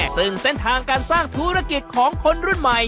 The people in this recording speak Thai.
ซึ่งเส้นทางการสร้างธุรกิจของคนรุ่นใหม่